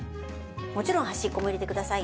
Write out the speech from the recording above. もちろん端っこも入れてください